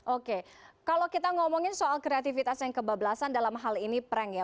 oke kalau kita ngomongin soal kreativitas yang kebablasan dalam hal ini prank ya